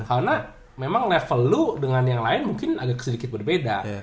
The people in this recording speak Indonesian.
karena memang level lu dengan yang lain mungkin agak sedikit berbeda